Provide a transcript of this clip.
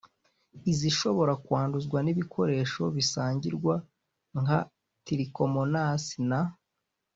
Izishobora kwanduzwa n’ibikoresho bisangirwa nka tirikomonasi na